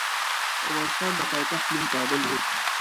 د افغانستان د پايتخت نوم کابل دی.